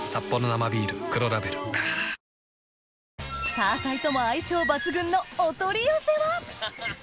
タアサイとも相性抜群のお取り寄せは？